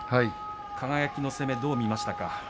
輝の攻めどう見ましたか。